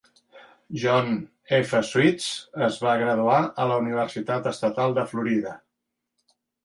John F. Sweets es va graduar a la Universitat Estatal de Florida.